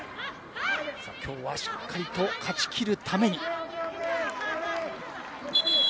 今日はしっかりと勝ち切るために。